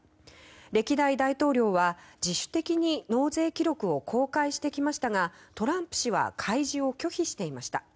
歴代大統領は自主的に納税記録を公開してきましたがトランプ氏は開示を拒否していました。